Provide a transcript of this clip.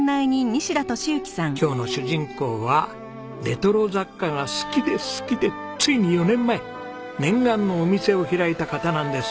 今日の主人公はレトロ雑貨が好きで好きでついに４年前念願のお店を開いた方なんです。